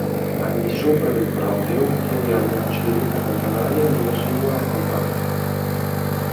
Al di sopra del protiro troviamo una celletta campanaria ad una singola campana.